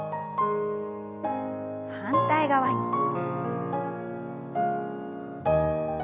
反対側に。